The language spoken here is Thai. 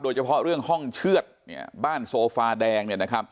โดยเฉพาะเรื่องห้องเชือดบ้านโซฟาแดง